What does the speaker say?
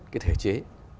cái thể chế